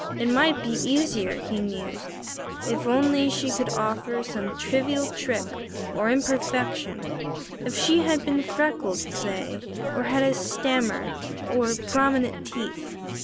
It might be easier, he mused, if only she could offer some trivial trick or imperfection, if she had been freckled, say, or had had a stammer, or prominent teeth.